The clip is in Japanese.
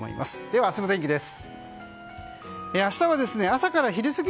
では明日の天気です。